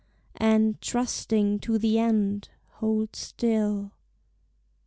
And, trusting to the end, hold still.